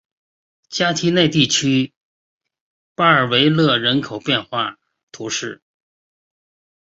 加提奈地区巴尔维勒人口变化图示